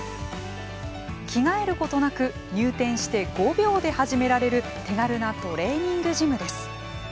着替えることなく入店して５秒で始められる手軽なトレーニングジムです。